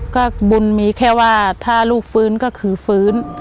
ก็บุญมีแค่ว่าถ้าลูกฟื้นก็คือฟื้น